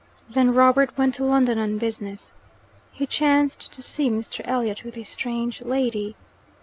Then Robert went to London on business. He chanced to see Mr. Elliot with a strange lady.